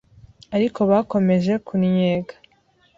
Ariko bakomeje kunnyega